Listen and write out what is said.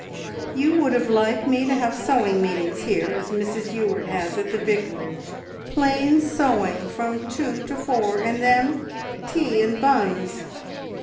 "You would have liked me to have sewing meetings here as Mrs Ewart has at the vicarage: plain sewing from two to four, and then tea and buns.